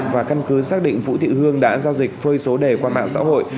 và căn cứ xác định vũ thị hương đã giao dịch phơi số đề qua mạng xã hội